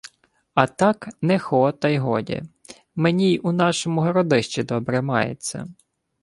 — А так, не хо, та й годі. Мені й у нашому Городищі добре мається.